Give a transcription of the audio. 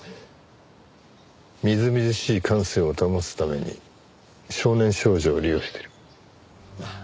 みずみずしい感性を保つために少年少女を利用している。